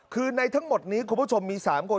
คือในทั้งหมดนี้คุณผู้ชมมี๓คน